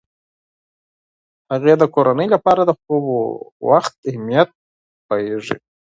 هغې د کورنۍ لپاره د خوب د وخت اهمیت پوهیږي.